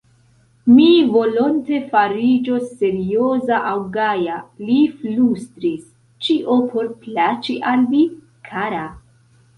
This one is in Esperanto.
Mi volonte fariĝos serioza aŭ gaja, li flustris ; ĉio por plaĉi al vi, kara.